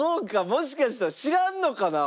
もしかしたら知らんのかな？